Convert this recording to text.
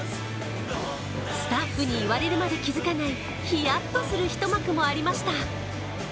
スタッフに言われるまで気付かないヒヤッとする一幕もありました。